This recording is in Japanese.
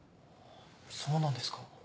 そうなんですか。